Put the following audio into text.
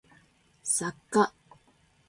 作家